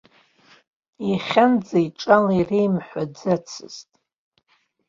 Иахьанӡа иҿала иреимҳәацызт.